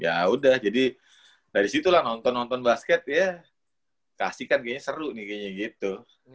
ya udah jadi dari situlah nonton nonton basket ya kasih kan kayaknya seru nih kayaknya gitu